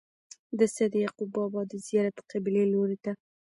د سيد يعقوب بابا د زيارت قبلې لوري ته